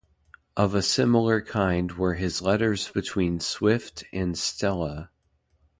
Of a similar kind were his letters between Swift and "Stella".